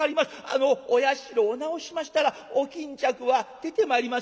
あのお社を直しましたらお巾着は出てまいりますやろか」。